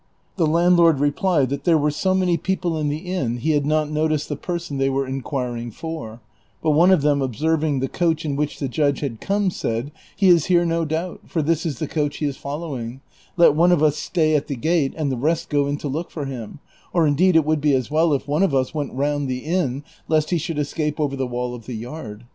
The landlord replied that there were so many people in the inn he had not noticed the person they were inquiring for ; but one of them observing the coach in which the judge had come, said, " He is here no doubt, for this is the coach he is following : let one of us stay at the gate, and the rest go in to look for him ; or indeed it would be as well if one of us went round the inn, lest he should escape over the wall of the yard."